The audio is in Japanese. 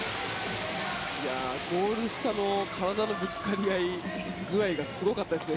ゴール下の体のぶつかり合い具合がすごかったですね。